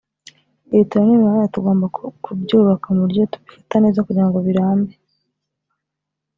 ibitaro imihanda tugomba kubyubaka mu buryo tubifata neza kugira ngo birambe